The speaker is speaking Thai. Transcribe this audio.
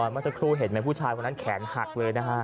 ไหมแล้วคุณผู้ชายแขนหักเลยนะค่ะ